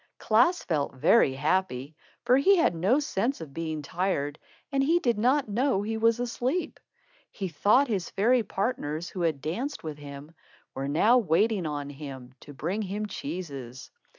Klaas felt very happy, for he had no sense of being tired, and he did not know he was asleep. He thought his fairy partners, who had danced with him, were now waiting on him to bring him cheeses.